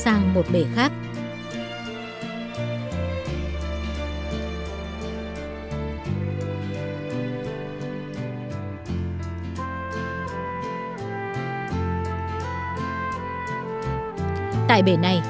tại bể này đất đã được phơi khô đập nhỏ rồi cho vào bể ngâm